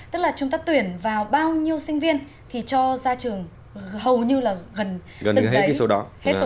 tức là chúng ta tuyển vào bao nhiêu sinh viên thì cho ra trường hầu như là gần từng ngày số đó